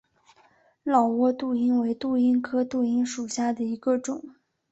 老挝杜英为杜英科杜英属下的一个种。